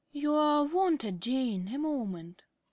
~ You are wanted, Jane, a moment.